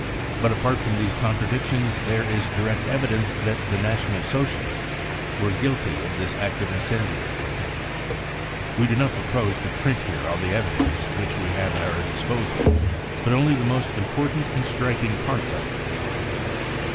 But apart from these contradictions there is direct evidence that the National Socialists were guilty of this act of incendiarism. We do not propose to print here all the evidence which we have at our disposal, but only the most important and striking parts of it.